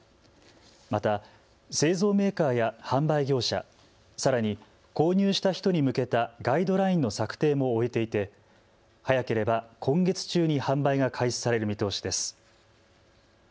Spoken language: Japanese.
また、製造メーカーや販売業者、さらに購入した人に向けたガイドラインの策定も終えていて早ければ今月中に販売が開始される見通しです。